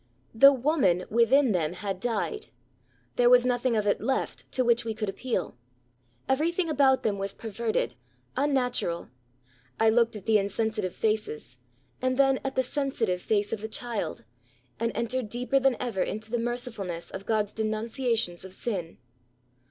The woman within them had died, there was nothing of it left to which we could appeal; everything about them was perverted, unnatural. I looked at the insensitive faces and then at the sensitive face of the child, and entered deeper than ever into the mercifulness of God's denunciations of sin.